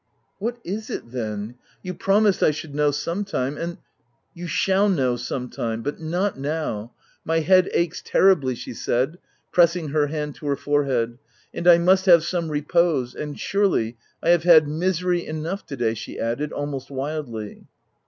" What is it then ? You promised 1 should know some time, and —■" 210 THE TENANT H You shall know some time— but not now — my head aches terribly/' she said, pressing her hand to her forehead, " and I must have some repose — and surely, 1 have had misery enough to day !" she added, almost wildly.